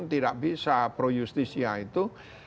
tidak bisa pro justisia itu